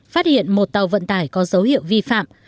phát hiện một tàu vận tải có dấu hiệu vi phạm